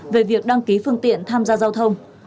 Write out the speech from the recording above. về việc đăng ký phương tiện tham gia giao thông